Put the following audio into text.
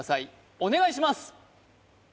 お願いします！